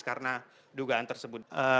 karena dugaan tersebut